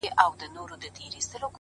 مړه راگوري مړه اكثر؛